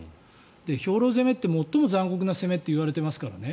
兵糧攻めって最も残酷な攻めっていわれてますからね。